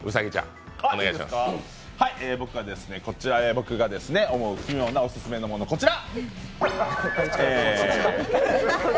僕が思う奇妙なオススメのもの、こちら！